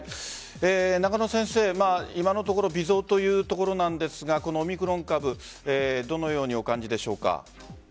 中野先生、今のところ微増というところなんですがオミクロン株どのようにお感じでしょうか？